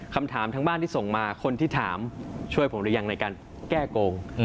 คำถามทั้งบ้านที่ส่งมาคนที่ถามช่วยผมหรือยังในการแก้โกง